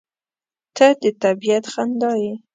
• ته د طبیعت خندا یې.